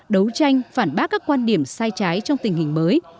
đấu tranh phản bác các quan điểm sai trái trong tình hình mới